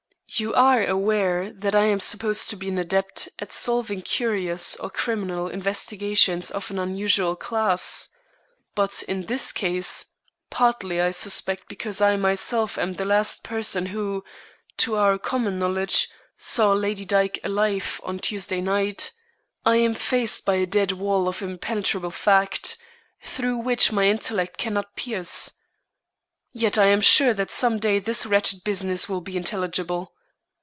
"You are aware that I am supposed to be an adept at solving curious or criminal investigations of an unusual class. But in this case, partly, I suspect, because I myself am the last person who, to our common knowledge, saw Lady Dyke alive on Tuesday night, I am faced by a dead wall of impenetrable fact, through which my intellect cannot pierce. Yet I am sure that some day this wretched business will be intelligible.